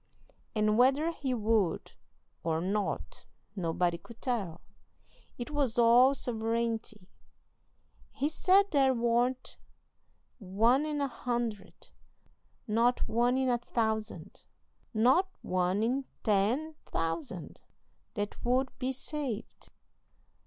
And whether he would or not nobody could tell; it was all sovereignty. He said there warn't one in a hundred, not one in a thousand, not one in ten thousand, that would be saved.